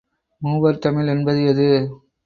மூவர் தமிழ் என்பது எது?